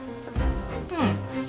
うん。